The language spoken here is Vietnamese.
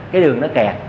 cái đường nó kẹt